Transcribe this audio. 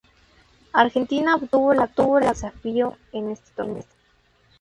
Argentina obtuvo la "Copa Desafío" en ese torneo.